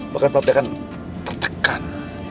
bahkan papi akan tertekan